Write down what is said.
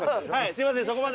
すみません！